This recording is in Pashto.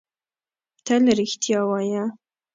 تل رښتیا وایۀ!